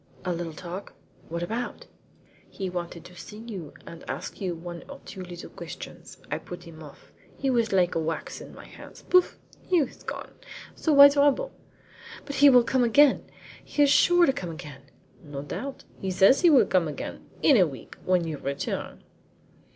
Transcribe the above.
'' "A little talk? What about?" "He wanted to see you, and ask you one or two little questions. I put him off. He was like wax in my hands. Pouf! He has gone, so why trouble?" "But he will come again! He is sure to come again!" "No doubt. He says he will come again in a week when you return."